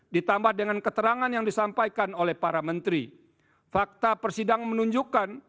ditambah dengan keterangan yang disampaikan oleh para menteri fakta persidangan menunjukkan bahwa aturan prosedural pengelolaan anggaran dan perusahaan perusahaan